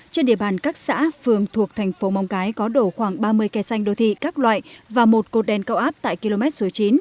trên địa bàn các xã phường thuộc thành phố mong cái có đổ khoảng ba mươi kè xanh đô thị các loại và một cột đèn cao áp tại km số chín